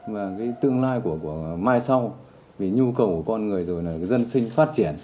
và cái tương lai của mai sau vì nhu cầu của con người rồi là dân sinh phát triển